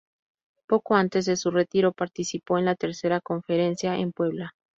Poco antes de su retiro, participó en la tercera Conferencia en Puebla.